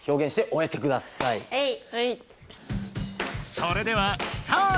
それではスタート！